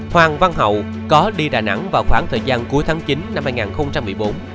hoàng văn hậu có đi đà nẵng vào khoảng thời gian cuối tháng chín năm hai nghìn một mươi bốn